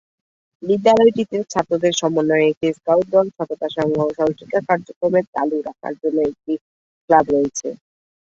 বিদ্যালয়টিতে ছাত্রদের সমন্বয়ে একটি স্কাউট দল, সততা সংঘ সহশিক্ষা কার্যক্রম চালু রাখার জন্য একটি ক্লাব রয়েছে।